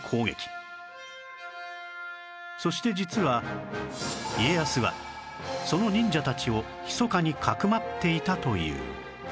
そして実は家康はその忍者たちをひそかにかくまっていたという